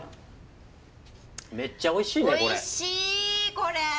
めっちゃおいしいねこれ。